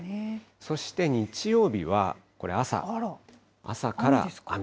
そして日曜日は、これ、朝、朝から雨。